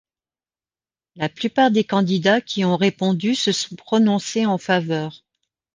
La plupart des candidats qui ont répondu se sont prononcés en faveur.